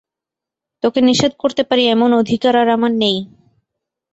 তোকে নিষেধ করতে পারি এমন অধিকার আর আমার নেই।